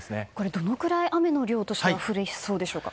どのくらい雨の量としては降りそうでしょうか？